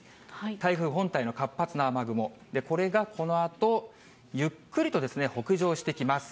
台風本体の活発な雨雲、これがこのあとゆっくりとですね、北上してきます。